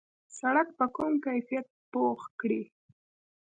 سړک په کم کیفیت پخ کړي.